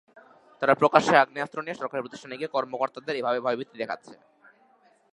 তারা প্রকাশ্যে আগ্নেয়াস্ত্র নিয়ে সরকারি প্রতিষ্ঠানে গিয়ে কর্মকর্তাদের এভাবে ভয়ভীতি দেখাচ্ছে।